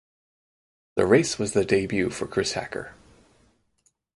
The race was the debut for Chris Hacker.